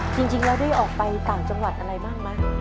จริงแล้วได้ออกไปต่างจังหวัดอะไรบ้างไหม